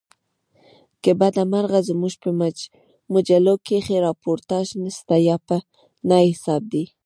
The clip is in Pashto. له بده مرغه زموږ په مجلوکښي راپورتاژ نسته یا په نه حساب دئ.